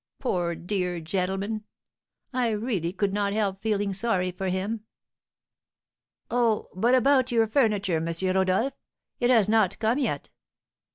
Poor, dear gentleman! I really could not help feeling sorry for him. Oh! but about your furniture, M. Rodolph; it has not come yet."